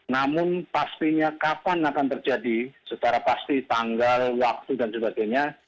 namun pastinya kapan akan terjadi secara pasti tanggal waktu dan sebagainya